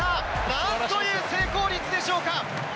なんという成功率でしょうか。